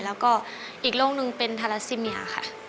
แล้วก็อีกโรคนึงเป็นทาราซิเมียค่ะ